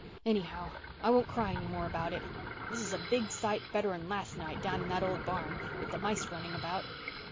Anyhow, I won't cry any more about it. This is a big sight better'n last night down in that old barn, with the mice running about.